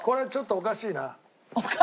おかしい。